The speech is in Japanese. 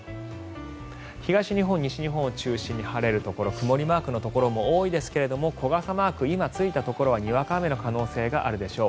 東日本、西日本を中心に晴れるところ曇りマークのところも多いですけれども小傘マークが今ついたところはにわか雨の可能性があるでしょう。